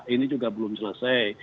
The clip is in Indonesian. ini juga belum selesai